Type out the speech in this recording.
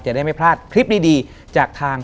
จะได้ไม่พลาดคลิปดีจากทาง